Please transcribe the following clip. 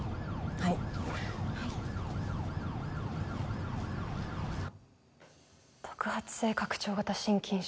はい特発性拡張型心筋症